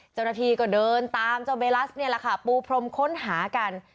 เจ้าหน้าที่ก็เดินตามเจ้าเบลัสนี่แหละค่ะปูพรมค้นหากัน